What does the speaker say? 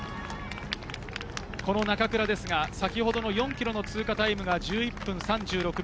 中倉は先ほど４ｋｍの通過タイムが１１分３６秒。